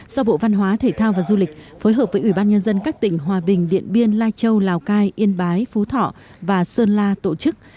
do bộ văn hóa thể thao và du lịch phối hợp với ủy ban nhân dân các tỉnh hòa bình điện biên lai châu lào cai yên bái phú thọ và sơn la tổ chức